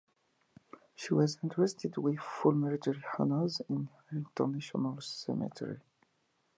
She was interred with full military honors in Arlington National Cemetery.